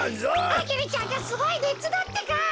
アゲルちゃんがすごいねつだってか！